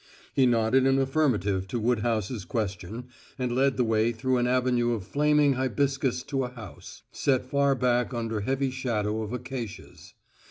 He nodded an affirmative to Woodhouse's question, and led the way through an avenue of flaming hibiscus to a house, set far back under heavy shadow of acacias.